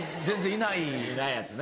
いないやつね。